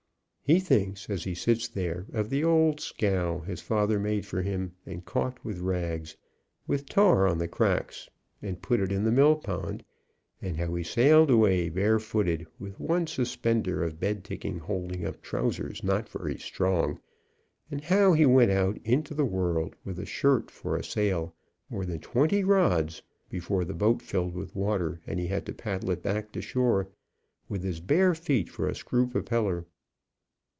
He thinks, as he sits there, of the old scow his father made for him, and calked with rags, with tar on the cracks, and put it in the mill pond, and how he sailed away, barefooted, with one suspender of bedticking, holding up trousers not very l88 THE VACATION SEASON strong, and how he went out into the world, with a shirt for a sail, more than twenty rods before the boat filled with water, and he had to paddle it back to shore with his bare feet for a screw propeller.